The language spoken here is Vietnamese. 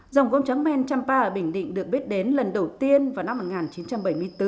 dòng gốm trắng men champa ở bình định được biết đến lần đầu tiên vào năm một nghìn chín trăm bảy mươi bốn